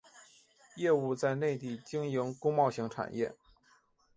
业务在内地经营工贸型产业。